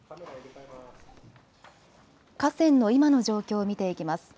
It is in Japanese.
河川の今の状況を見ていきます。